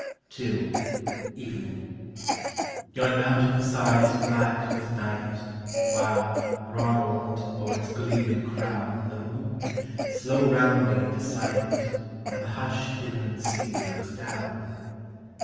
II. EVENING.Yon mountain's side is black with night, While, broad orbed, o'er its gleaming crownThe moon, slow rounding into sight, On the hushed inland sea looks down.